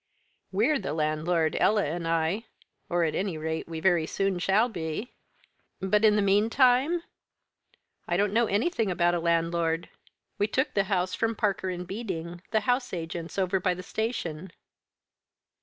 "We're the landlord, Ella and I or, at any rate, we very soon shall be." "But in the meantime?" "I don't know anything about a landlord. We took the house from Parker and Beading, the house agents over by the station."